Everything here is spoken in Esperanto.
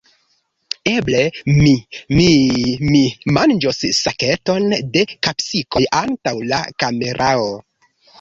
Eble mi, mi... mi manĝos saketon da kapsikoj antaŭ la kamerao.